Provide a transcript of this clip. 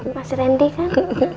masih rendi kan